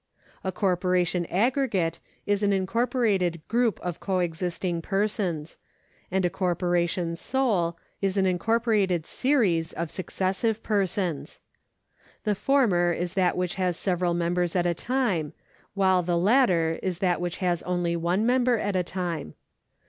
A corporation aggregate is an incorporated group of co existing persons, and a corporation sole is an incorporated series of successive persons. The former is that which has several members at a time, while the latter is that which has only one member at a time.